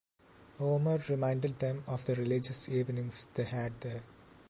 Omer reminded them of the religious evenings they had there.